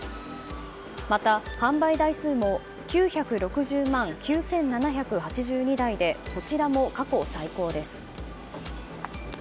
また販売台数も９６０万９７８２台でこちらも過去最高です。